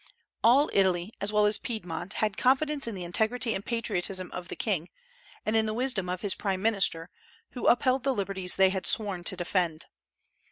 All Italy, as well as Piedmont, had confidence in the integrity and patriotism of the king, and in the wisdom of his prime minister, who upheld the liberties they had sworn to defend.